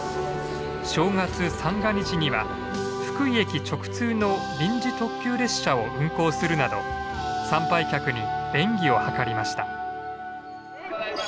正月三が日には福井駅直通の臨時特急列車を運行するなど参拝客に便宜を図りました。